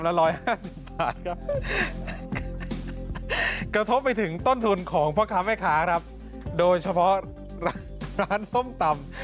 ละ๑๕๐บาทกระทบไปถึงต้นทุนของพระคำให้ขาโดยเฉพาะร้านซ้มตำ